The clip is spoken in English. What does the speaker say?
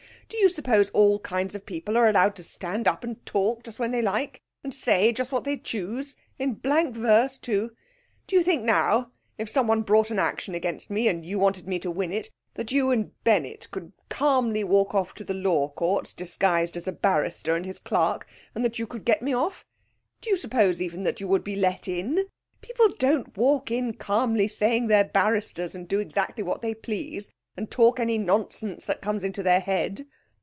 Do you suppose all kinds of people are allowed to stand up and talk just when they like, and say just what they choose in blank verse, too? Do you think now, if someone brought an action against me and you wanted me to win it, that you and Bennett could calmly walk off to the Law Courts disguised as a barrister and his clerk, and that you could get me off? Do you suppose, even, that you would be let in? People don't walk in calmly saying that they're barristers and do exactly what they please, and talk any nonsense that comes into their head.